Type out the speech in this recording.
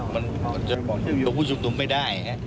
มันจะชกผู้ชุมนุมไม่ได้